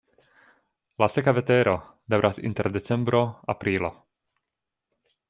La seka vetero daŭras inter decembro-aprilo.